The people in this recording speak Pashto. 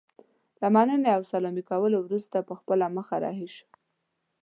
له مننې او سلامي کولو وروسته پر خپله مخه رهي شو.